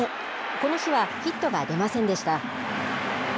この日はヒットが出ませんでした。